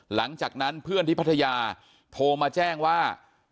หลังจากนั้นเพื่อนที่พัทยาโทรมาแจ้งว่า